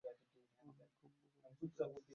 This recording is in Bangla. আমি কুম্বাকোনম থেকে এসেছি।